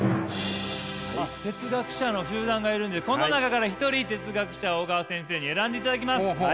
哲学者の集団がいるんでこの中から一人哲学者を小川先生に選んでいただきます。